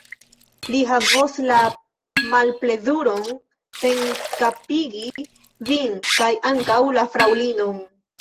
Li havos la malplezuron senkapigi vin, kaj ankaŭ la fraŭlinon.